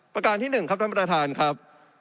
ประการที่๑ครับท่านประธานครับ